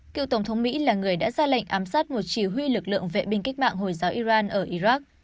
cựu tổng thống mỹ là người đã ra lệnh ám sát một chỉ huy lực lượng vệ binh cách mạng hồi giáo iran ở iraq